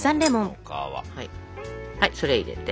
はいそれ入れて。